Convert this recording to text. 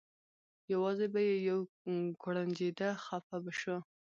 یوازې به یې یو کوړنجېده خپه به شو.